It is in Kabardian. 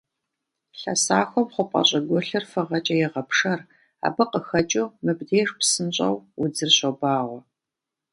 Лъэсахуэм хъупӀэ щӀыгулъыр фыгъэкӀэ егъэпшэр, абы къыхэкӀыу мыбдеж псынщӀэу удзыр щобагъуэ.